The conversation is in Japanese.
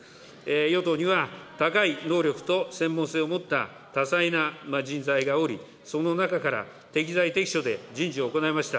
与党には高い能力と専門性を持った多彩な人材がおり、その中から適材適所で人事を行いました。